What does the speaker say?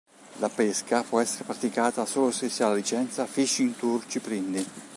La pesca può essere praticata solo se sia ha la licenza "Fishing Tour Ciprinidi".